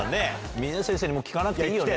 峰先生に聞かなくていいよね。